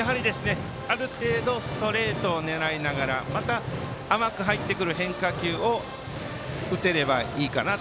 ある程度、ストレートを狙いながらまた、甘く入ってくる変化球を打てればいいかなと。